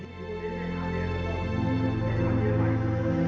เป็นทุกอย่างครับ